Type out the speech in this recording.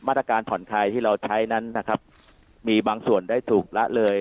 มาตรการผ่อนคลายที่เราใช้นั้นนะครับมีบางส่วนได้ถูกละเลย